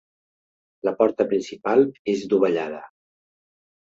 La porta principal és dovellada.